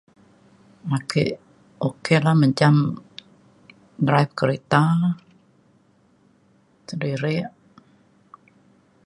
Ake OK la mejam drive krita sedirik.